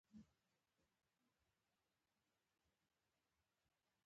زده کوونکي دې د ملي یووالي په مفهوم خبرې وکړي.